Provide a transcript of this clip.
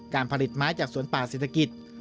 การผลิตไม้จากสวนป่าเศรษฐกิจ